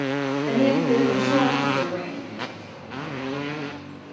Then he appeared in the short "The Ring".